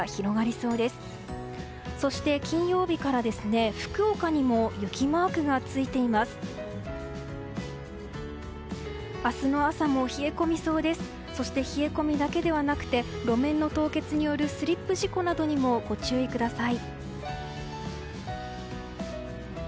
そして冷え込みだけではなくて路面の凍結によるスリップ事故などにもご注意ください。